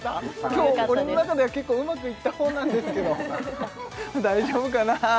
今日俺の中では結構うまくいった方なんですけど大丈夫かなあ